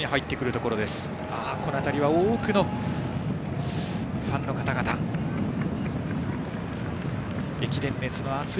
この辺り多くのファンの方々の姿。